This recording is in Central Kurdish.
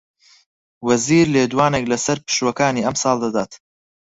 وەزیر لێدوانێک لەسەر پشووەکانی ئەمساڵ دەدات